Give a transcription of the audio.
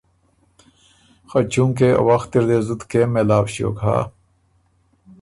او چونکې ا وخت اِر دې زُت کېم مېلاؤ ݭیوک هۀ